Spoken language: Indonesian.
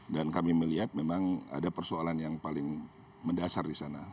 dan kami melihat memang ada persoalan yang paling mendasar disana